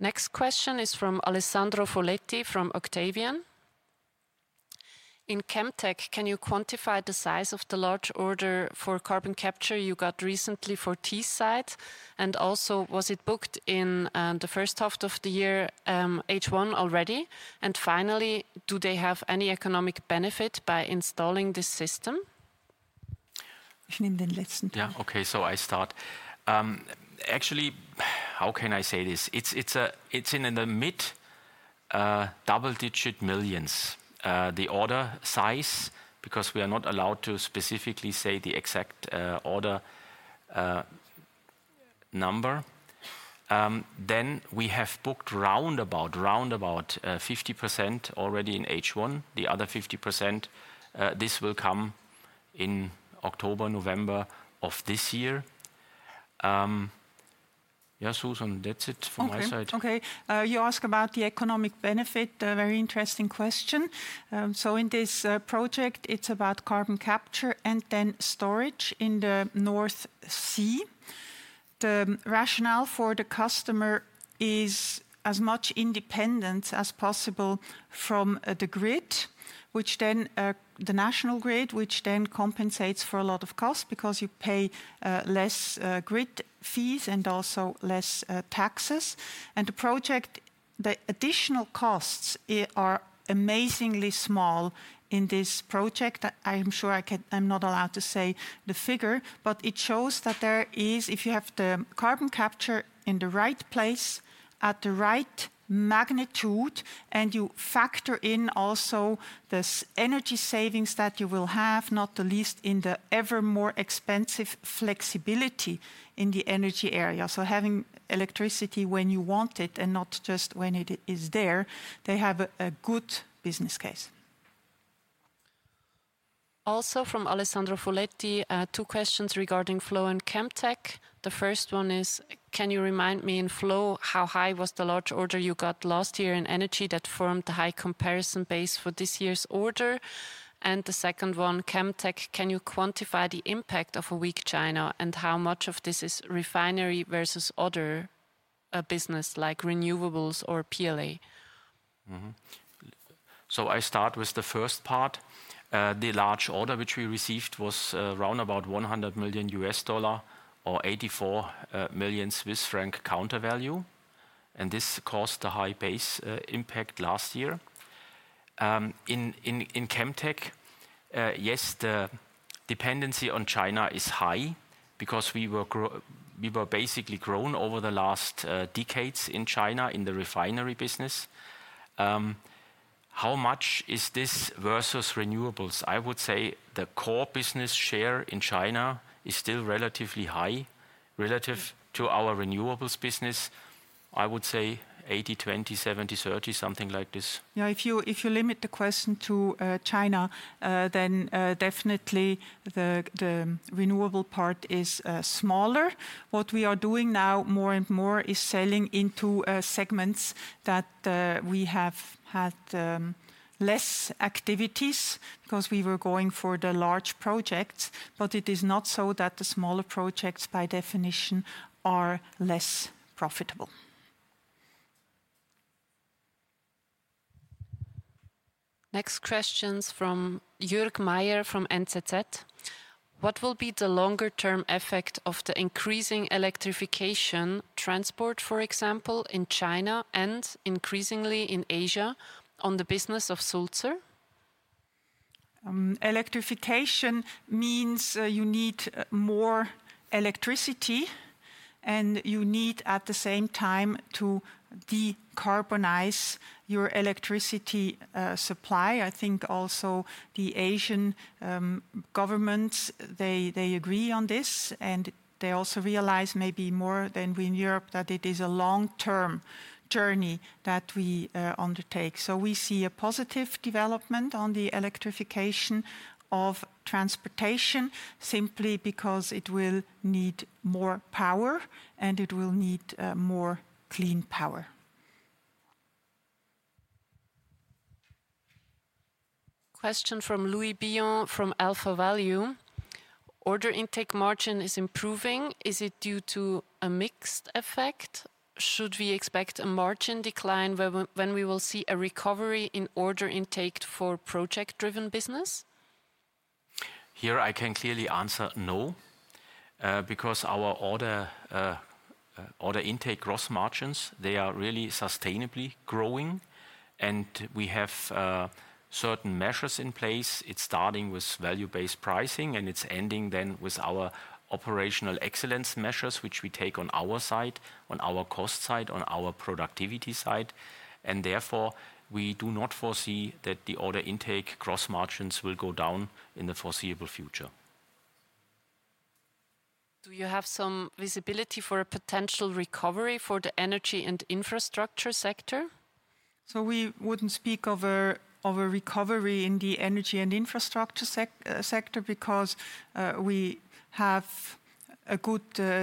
Next question is from Alessandro Folletti from Octavian. In Chemtech, can you quantify the size of the large order for carbon capture you got recently for Teesight? And also, was it booked in the first half of the year H1 already? And finally, do they have any economic benefit by installing this system? Yes. Okay. So I start. Actually, how can I say this? It's in the mid double digit millions, the order size, because we are not allowed to specifically say the exact order number. Then we have booked roundabout, roundabout 50% already in H1. The other 50%, this will come in October, November of this year. Yes, Susan, that's it from Okay. My Okay. Asked about the economic benefit, a very interesting question. So in this project, it's about carbon capture and then storage in the North Sea. The rationale for the customer is as much independent as possible from the grid, which then the national grid, which then compensates for a lot of costs because you pay less grid fees and also less taxes. And the project the additional costs are amazingly small in this project. I'm sure I can I'm not allowed to say the figure, but it shows that there is if you have capture in the right place at the right magnitude and you factor in also this energy savings that you will have, not the least, in the ever more expensive flexibility in the energy area. So having electricity when you want it and not just when it is there, they have a good business case. Also from Alessandro Folletti. Two questions regarding flow and Chemtech. The first one is, can you remind me in Flow, how high was the large order you got last year in Energy that formed the high comparison base for this year's order? And the second one, Chemtech, can you quantify the impact of a weak China? And how much of this is refinery versus other business like renewables or PLA? So I start with the first part. The large order which we received was around about 100,000,000 US dollar or 84,000,000 Swiss franc counter value, and this caused a high base impact last year. In Chemtech, yes, the dependency on China is high because we were basically grown over the last decades in China in the refinery business. How much is this versus renewables? I would say the core business share in China is still relatively high relative to our renewables business. I would say eightytwenty, seventythirty, something like this. Yes. If you limit the question to China, then definitely the renewable part is smaller. What we are doing now more and more is selling into segments that we have had less activities because we were going for the large projects, but it is not so that the smaller projects, by definition, are less profitable. Next question is from Jorg Meyer from NZZ. What will be the longer term effect of the increasing electrification transport, for example, in China and increasingly in Asia on the business of Sulzer? Electrification means you need more electricity, and you need, at the same time, to decarbonize your electricity supply. I think also the Asian governments, they agree on this, and they also realize maybe more than in Europe that it is a long term journey that we undertake. So we see a positive development on the electrification of transportation simply because it will need more power and it will need more clean power. Question from Louis Billion from Alfa Value. Order intake margin is improving. Is it due to a mixed effect? Should we expect a margin decline when we will see a recovery in order intake for project driven business? Here, I can clearly answer no because our order intake gross margins, they are really sustainably growing. And we have certain measures in place. It's starting with value based pricing and it's ending then with our operational excellence measures, which we take on our side, on our cost side, on our productivity side. And therefore, we do not foresee that the order intake gross margins will go down in the foreseeable future. Do you have some visibility for a potential recovery for the energy and infrastructure sector? So we wouldn't speak of a recovery in the energy and infrastructure sector because we have a good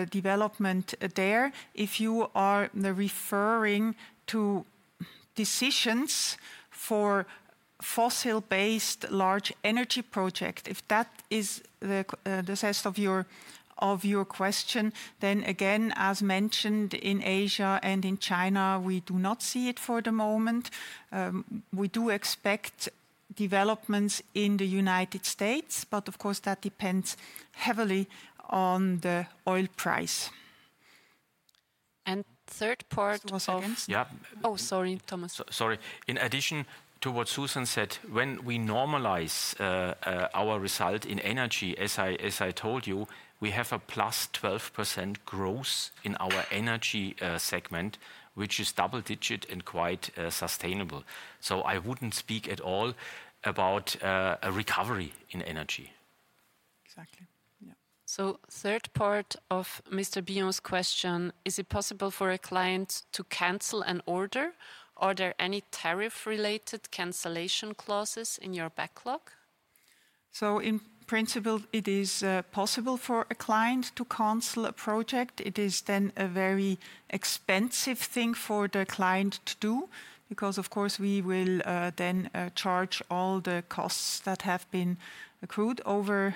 development there. If you are referring to decisions for fossil based large energy project, if that is the best of your question, then again, as mentioned, in Asia and in China, we do not see it for the moment. We do expect developments in The United States, but of course, that depends heavily on the oil price. Third part It was against, yes. Oh, sorry, Thomas. Sorry. In addition to what Susan said, when we normalize our result in Energy, as I told you, we have a plus 12% growth in our Energy segment, which is double digit and quite sustainable. So I wouldn't speak at all about a recovery in energy. Exactly. So third part of Mr. Bjorn's question, is it possible for a client to cancel an order? Are there any tariff related cancellation clauses in your backlog? So in principle, it is possible for a client to cancel a project. It is then a very expensive thing for the client to do because, of course, we will then charge all the costs that have been accrued over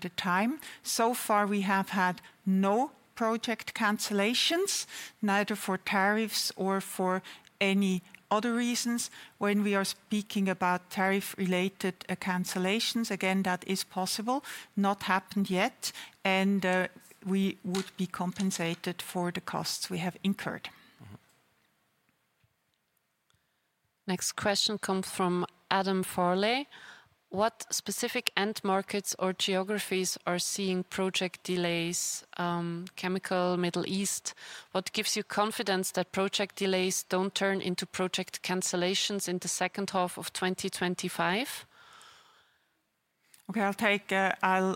the time. So far, we have had no project cancellations, neither for tariffs or for any other reasons. When we are speaking about tariff related cancellations, again, that is possible, not happened yet, and we would be compensated for the costs we have incurred. Next question comes from Adam Farley. What specific end markets or geographies are seeing project delays, chemical, Middle East? What gives you confidence that project delays don't turn into project cancellations in the second half of twenty twenty five? Okay.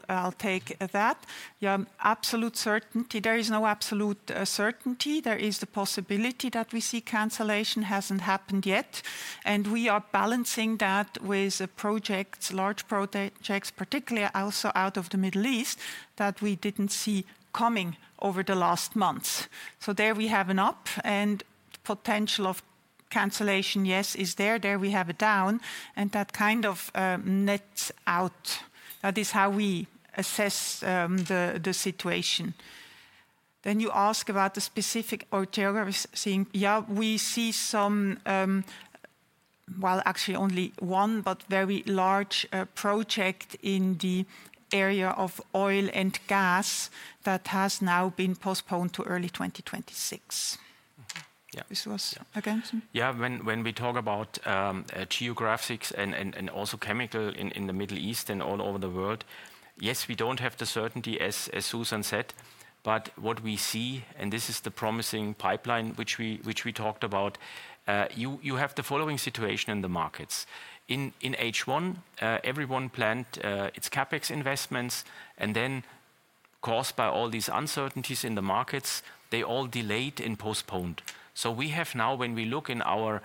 I'll take that. Yes, absolute certainty. There is no absolute certainty. There is the possibility that we see cancellation. It hasn't happened yet. And we are balancing that with projects large projects, particularly also out of The Middle East, that we didn't see coming over the last months. So there, we have an up. And potential of cancellation, yes, is there. There, we have a down. And that kind of nets out. That is how we assess the situation. Then you ask about the specific geographies seeing, yes, we see some well, actually only one but very large project in the area of oil and gas that has now been postponed to early twenty twenty six. This was again? Yes. When we talk about geographics and also chemical in The Middle East and all over the world, yes, we don't have the certainty, Susan said. But what we see, and this is the promising pipeline which we talked about, you have the following situation in the markets. In H1, everyone planned its CapEx investments and then caused by all these uncertainties in the markets, they all delayed and postponed. So we have now, when we look in our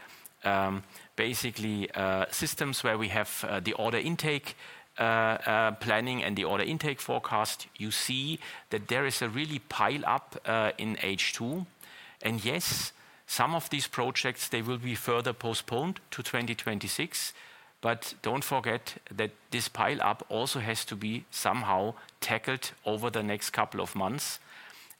basically systems where we have the order intake planning and the order intake forecast, you see that there is a really pile up in H2. And yes, some of these projects, they will be further postponed to 2026, but don't forget that this pile up also has to be somehow tackled over the next couple of months,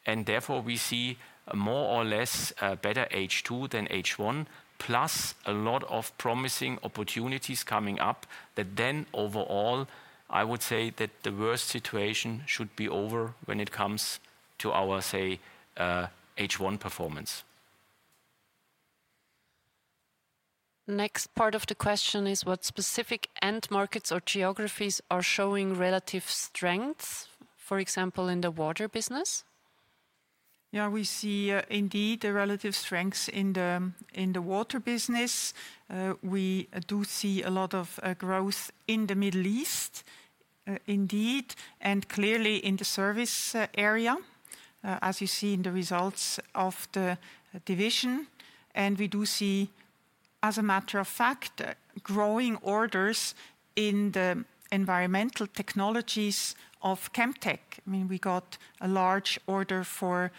And therefore, we see more or less better H2 than H1, plus a lot of promising opportunities coming up that then, overall, I would say that the worst situation should be over when it comes to our, say, H1 performance. Next part of the question is what specific end markets or geographies are showing relative strength, for example, in the water business? Yes. We see indeed the relative strengths in the water business. We do see a lot of growth in The Middle East indeed and clearly in the service area, as you see in the results of the division. And we do see, as a matter of fact, growing orders in the environmental technologies of Chemtech. I mean we got a large order for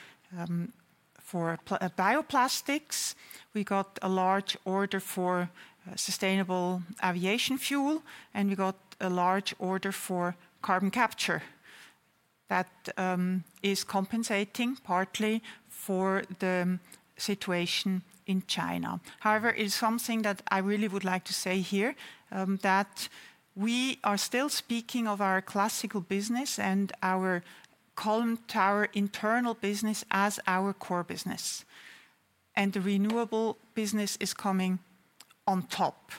bioplastics. We got a large order for sustainable aviation fuel, and we got a large order for carbon capture. That is compensating partly for the situation in China. However, it's something that I really would like to say here that we are still speaking of our classical business and our column tower internal business as our core business. And the renewable business is coming on top.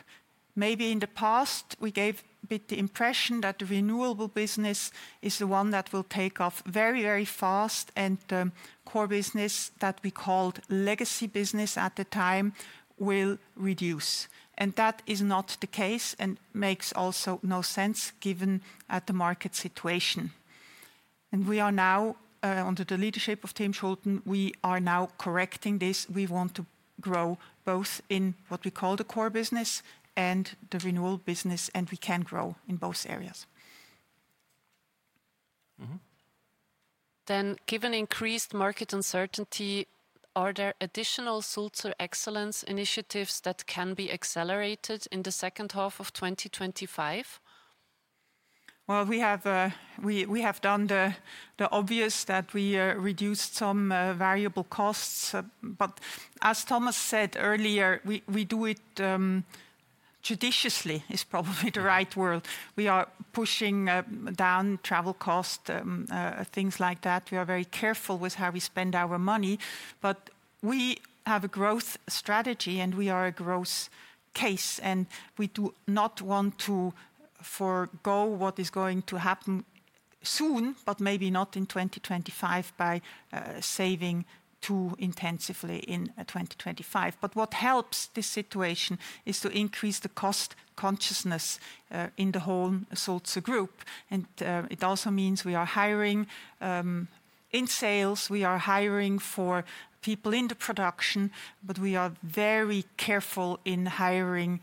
Maybe in the past, we gave a bit the impression that the renewable business is the one that will take off very, very fast and core business that we called legacy business at the time will reduce. And that is not the case and makes also no sense given at the market situation. And we are now under the leadership of Tim Schulten, we are now correcting this. We want to grow both in what we call the core business and the renewal business, and we can grow in both areas. Then given increased market uncertainty, are there additional Sulzer excellence initiatives that can be accelerated in the second half of twenty twenty five? Well, we have done the obvious that we reduced some variable costs. But as Thomas said earlier, we do it judiciously is probably the right word. We are pushing down travel costs, things like that. We are very careful with how we spend our money. But we have a growth strategy, and we are a growth case. And we do not want to forego what is going to happen soon, but maybe not in 2025, by saving too intensively in 2025. But what helps this situation is to increase the cost consciousness in the whole Sulzer Group. And it also means we are hiring in sales. We are hiring for people in the production, but we are very careful in hiring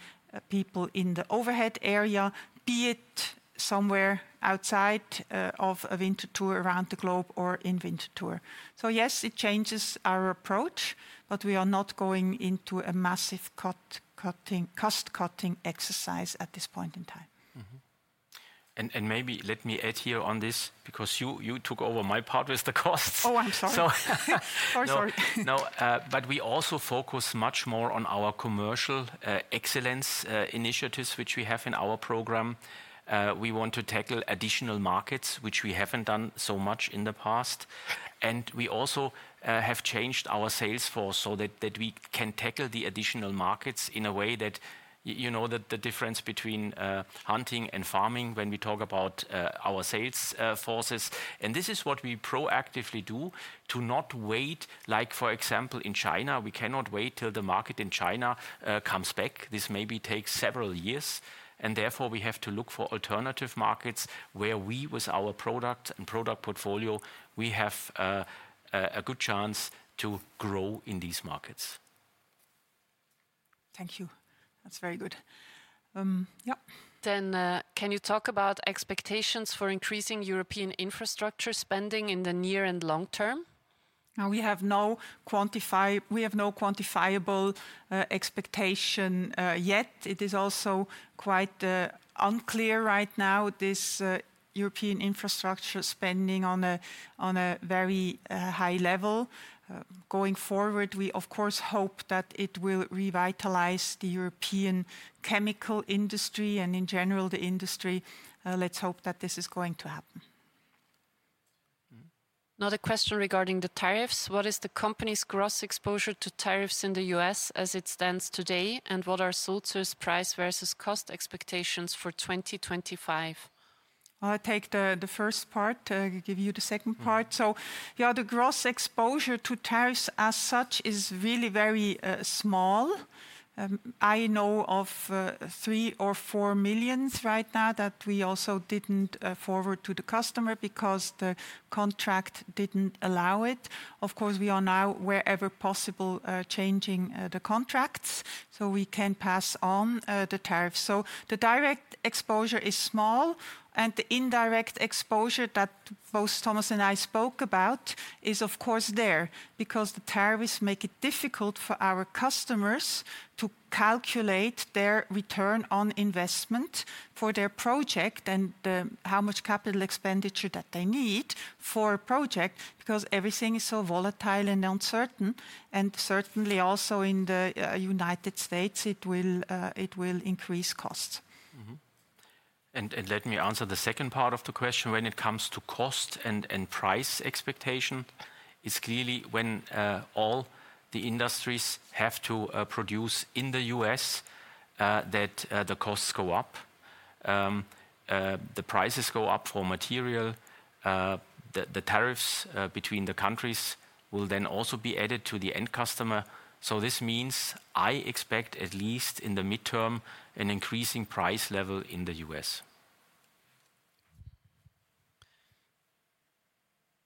people in the overhead area, be it somewhere outside Winterthur around the globe or in Winterthur. So yes, it changes our approach, but we are not going into a massive cost cutting exercise at this point in time. And maybe let me add here on this because you took over my part with the costs. Oh, I'm sorry. Of course, sorry. No. But we also focus much more on our commercial excellence initiatives, which we have in our program. We want to tackle additional markets, which we haven't done so much in the past. And we also have changed our sales force so that we can tackle the additional markets in a way that the difference between hunting and farming when we talk about our sales forces. And this is what we proactively do to not wait like, for example, in China, we cannot wait till the market in China comes back. This maybe takes several years. And therefore, we have to look for alternative markets where we, with our product and product portfolio, we have a good chance to grow in these markets. Thank you. That's very good. Yes? Then can you talk about expectations for increasing European infrastructure spending in the near and long term? We have no quantifiable expectation yet. It is also quite unclear right now, this European infrastructure spending on very high level. Going forward, we, of course, hope that it will revitalize the European chemical industry and, in general, the industry. Let's hope that this is going to happen. Another question regarding the tariffs. What is the company's gross exposure to tariffs in The U. S. As it stands today? And what are Sulzer's price versus cost expectations for 2025? I'll take the first part. I'll give you the second part. So yes, the gross exposure to tariffs as such is really very small. I know of 3,000,000 or €4,000,000 right now that we also didn't forward to the customer because the contract didn't allow it. Of course, we are now, wherever possible, changing the contracts so we can pass on the tariffs. So the direct exposure is small. And the indirect exposure that both Thomas and I spoke about is, of course, there because the tariffs make it difficult for our customers to calculate their return on investment for their project and how much capital expenditure that they need for a project because everything is so volatile and uncertain. And certainly, also in The United States, it will increase costs. And let me answer the second part of the question. When it comes to cost and price expectation, it's clearly when all the industries have to produce in The U. S. That the costs go up, the prices go up for material, the tariffs between the countries will then also be added to the end customer. So this means, I expect, at least in the midterm, an increasing price level in The U. S.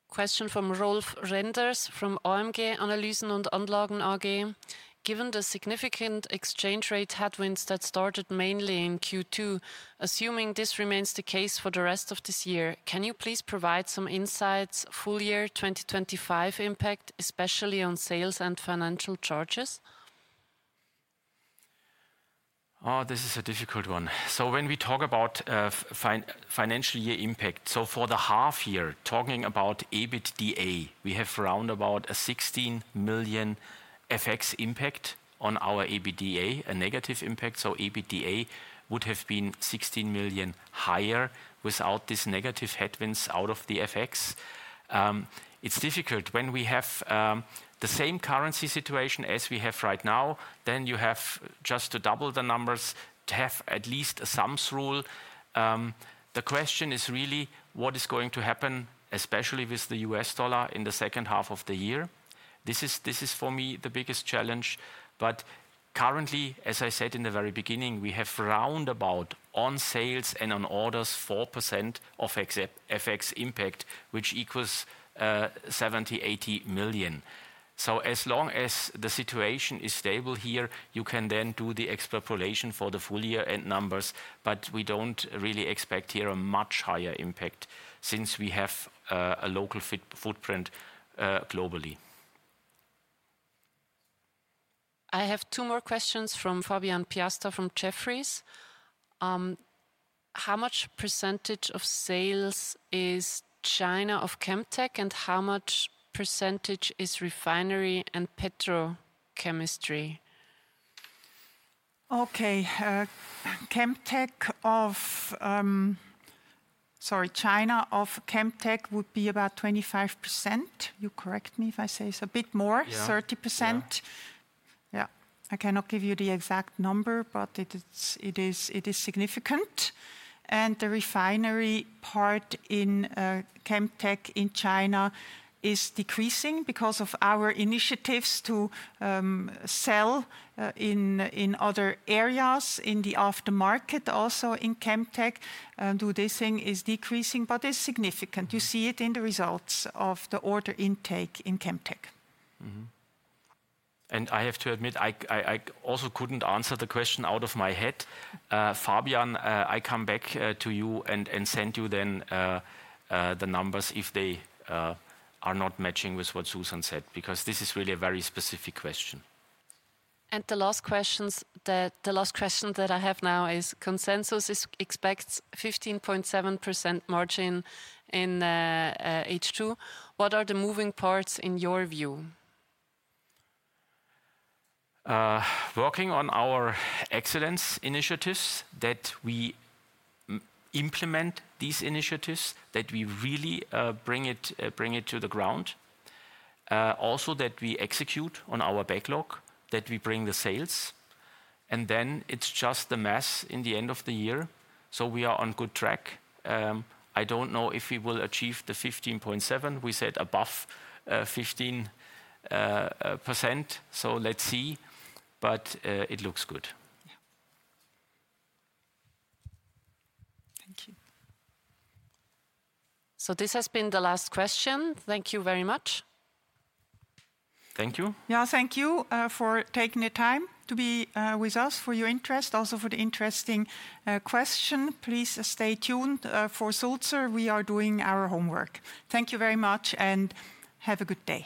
Question from Rolf Renderz from OMG. Given the significant exchange rate headwinds that started mainly in Q2, assuming this remains the case for the rest of this year, can you please provide some insights full year 2025 impact, especially on sales and financial charges? This is a difficult one. So when we talk about financial year impact, so for the half year, talking about EBITDA, we have roundabout a 16,000,000 FX impact on our EBITDA, a negative impact. So EBITDA would have been €16,000,000 higher without these negative headwinds out of the FX. It's difficult. When we have the same currency situation as we have right now, then you have just to double the numbers to have at least a sums rule. The question is really what is going to happen, especially with the U. S. Dollar in the second half of the year. This is for me the biggest challenge. But currently, as I said in the very beginning, we have roundabout on sales and on orders 4% of FX impact, which equals 150,000,000 So as long as the situation is stable here, you can then do the extrapolation for the full year numbers, but we don't really expect here a much higher impact since we have a local footprint globally. I have two more questions from Fabian Piaasta from Jefferies. How much percentage of sales is China of Chemtech? And how much percentage is refinery and petro chemistry? Okay. Chemtech of sorry, China of Chemtech would be about 25. You correct me if I say it's a bit more, 30%. Yes. I cannot give you the exact number, but it is significant. And the refinery part in Chemtech in China is decreasing because of our initiatives to sell in other areas in the aftermarket, also in Chemtech. Do this thing is decreasing, but it's significant. You see it in the results of the order intake in Chemtech. And I have to admit, I also couldn't answer the question out of my head. Fabian, I come back to you and send you then the numbers if they are not matching with what Susan said because this is really a very specific question. And the last questions that the last question that I have now is consensus expects 15.7% margin in H2. What are the moving parts in your view? Working on our excellence initiatives that we implement these initiatives that we really bring it to the ground. Also that we execute on our backlog, that we bring the sales. And then it's just the mass in the end of the year, so we are on good track. I don't know if we will achieve the 15.7%. We said above 15%. So let's see, but it looks good. So this has been the last question. Thank you very much. Thank you. Yes. Thank you for taking the time to be with us, for your interest, also for the interesting question. Please stay tuned. For Sulzer, we are doing our homework. Thank you very much, and have a good day.